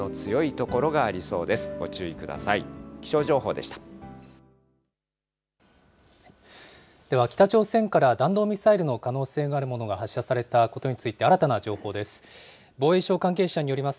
では、北朝鮮から弾道ミサイルの可能性があるものが発射されたことについて、新たな情報です。